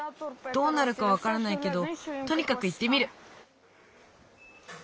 どうなるかわからないけどとにかくいってみる。